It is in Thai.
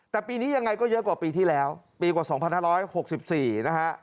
แต่ปีนี้ยังไงก็เยอะกว่าปีที่แล้วปีกว่าสองพันห้าร้อยหกสิบสี่นะฮะ